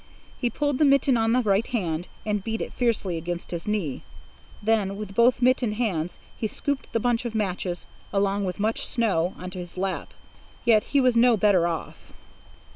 He pulled the mitten on the right hand, and beat it fiercely against his knee. Then, with both mittened hands, he scooped the bunch of matches, along with much snow, into his lap. Yet he was no better off.